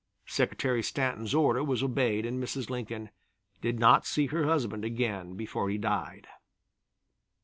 Secretary Stanton's order was obeyed and Mrs. Lincoln did not see her husband again before he died.